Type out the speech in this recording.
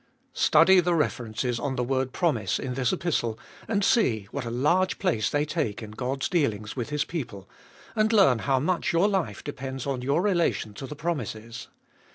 Study the references on the word " promise " in this Epistle, and see what a large place they take in God's dealings with His people, and learn how much your life depends on your relation to the promises.